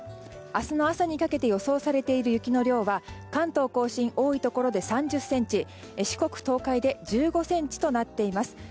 明日の朝にかけて予想されている雪の量は関東・甲信多いところで３０ｃｍ四国、東海で１５ｃｍとなっています。